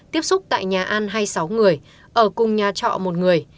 tiếp xúc tại nhà ăn hay sáu người ở cùng nhà trọ một người